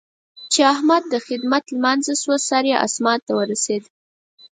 چې د احمد د خدمت لمانځه شوه؛ سر يې اسمان ته ورسېد.